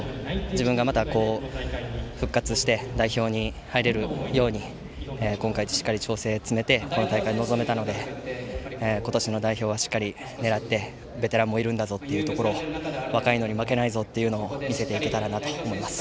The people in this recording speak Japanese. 自分がまた復活して代表に入れるように今回、しっかり調整を積めて今大会に臨めたので今年の代表はしっかり狙ってベテランもいるんだぞと若いのに負けないぞというのを見せていけたらなと思っています。